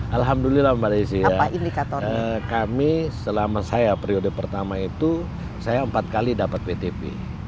alhamdulillah mbak desi kami selama saya periode pertama itu saya empat kali dapat wtp